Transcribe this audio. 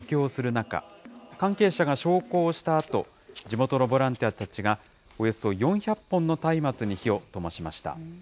大日如来像の前で僧侶が読経する中、関係者が焼香をしたあと、地元のボランティアたちが、およそ４００本のたいまつに火をともしました。